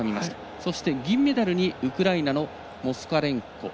そして、銀メダルにウクライナのモスカレンコ。